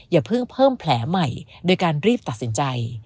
อย่าเพิ่งเพิ่มแผลใหม่โดยการรีบตัดสินใจ